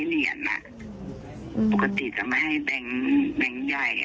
เหนียนปกติจะไม่ให้แบงค์แบงค์ใหญ่อะไรประมาณอย่างนี้ค่ะแต่